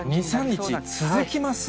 ２、３日続きます？